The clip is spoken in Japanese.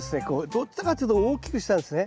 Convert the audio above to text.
どっちかっつうと大きくしたんですね。